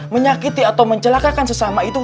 menyakiti atau mencelakakan sesama itu